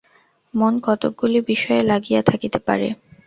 মন কতকগুলি বিষয়ে লাগিয়া থাকিতে পারে।